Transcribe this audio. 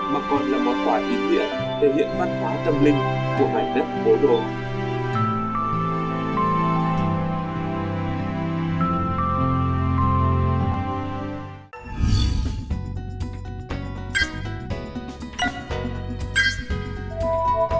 mà còn là một quả hình hiện thể hiện văn hóa tâm linh của mảnh đất bồ đồ